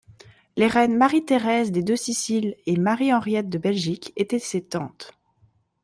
Les reines Marie-Thérèse des Deux-Siciles et Marie-Henriette de Belgique étaient ses tantes.